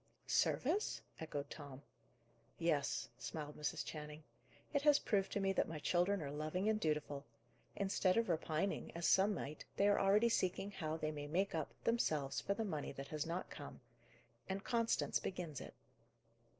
"Service?" echoed Tom. "Yes," smiled Mrs. Channing. "It has proved to me that my children are loving and dutiful. Instead of repining, as some might, they are already seeking how they may make up, themselves, for the money that has not come. And Constance begins it."